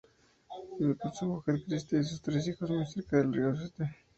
Vive con su mujer Christy y sus tres hijos, muy cerca del río St.